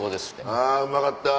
あぁうまかった。